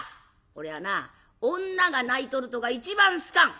俺はな女が泣いとるとが一番好かん。